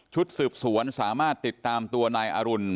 สืบสวนสามารถติดตามตัวนายอรุณ